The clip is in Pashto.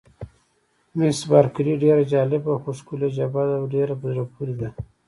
مس بارکلي: ډېره جالبه، خو ښکلې جبهه ده، ډېره په زړه پورې ده.